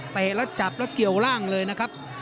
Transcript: แล้วจับแล้วเกี่ยวร่างเลยนะครับ